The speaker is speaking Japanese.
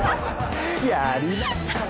やりましたね！